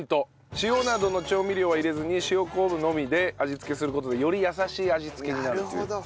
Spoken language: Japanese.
塩などの調味料は入れずに塩昆布のみで味付けする事でより優しい味付けになるっていう。